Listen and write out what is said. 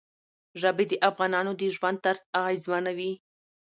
ژبې د افغانانو د ژوند طرز اغېزمنوي.